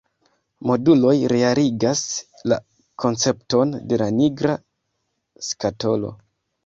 Moduloj realigas la koncepton de la nigra skatolo.